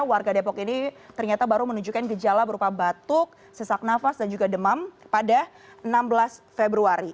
warga depok ini ternyata baru menunjukkan gejala berupa batuk sesak nafas dan juga demam pada enam belas februari